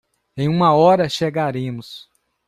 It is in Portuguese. Em uma hora chegaremos